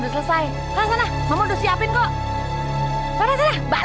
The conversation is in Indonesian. udah selesai kalau sana mau di siapin kok pada balik cepetan